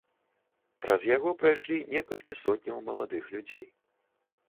Праз яго прайшлі некалькі сотняў маладых людзей.